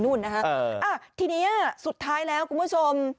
นะฮะทีนี้สุดท้ายแล้วคุณผู้ชม